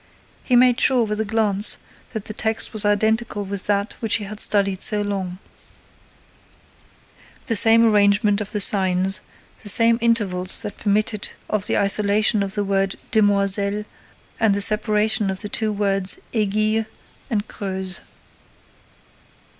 He made sure, with a glance, that the text was identical with that which he had studied so long; the same arrangement of the signs, the same intervals that permitted of the isolation of the word demoiselles and the separation of the two words aiguille and creuse.